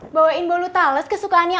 bawain bolu tales kesukaannya